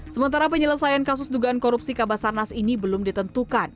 sementara penyelesaian kasus dugaan korupsi kabasarnas ini belum ditentukan